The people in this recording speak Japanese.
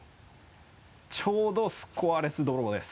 ちょうどスコアレスドローです。